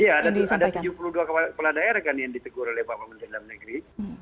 ya ada tujuh puluh dua kepala daerah yang ditegur oleh pak menteri mendagri